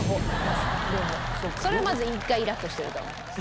それはまず１回イラッとしてると思います。